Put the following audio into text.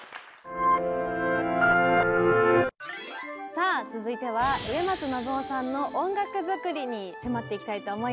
さあ続いては植松伸夫さんの音楽作りに迫っていきたいと思います。